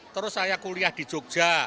terus saya kuliah di jogja